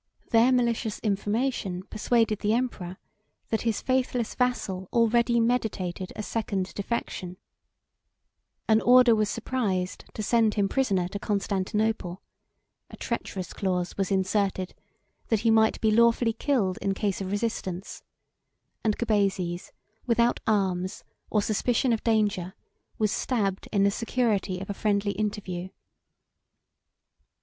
Their malicious information persuaded the emperor that his faithless vassal already meditated a second defection: an order was surprised to send him prisoner to Constantinople; a treacherous clause was inserted, that he might be lawfully killed in case of resistance; and Gubazes, without arms, or suspicion of danger, was stabbed in the security of a friendly interview.